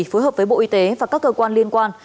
phối hợp với bộ y tế và các cơ quan liên quan